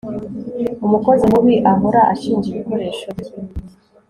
Umukozi mubi ahora ashinja ibikoresho bye